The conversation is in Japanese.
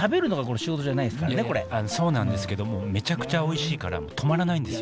そうなんですけどもめちゃくちゃおいしいから止まらないんですよ。